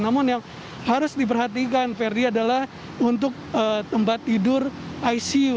namun yang harus diperhatikan ferdi adalah untuk tempat tidur icu